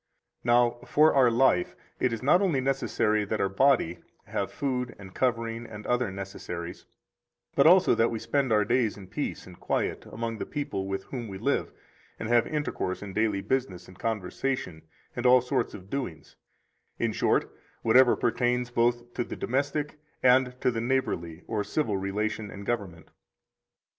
Now for our life it is not only necessary that our body have food and covering and other necessaries, but also that we spend our days in peace and quiet among the people with whom we live and have intercourse in daily business and conversation and all sorts of doings, in short, whatever pertains both to the domestic and to the neighborly or civil relation and government.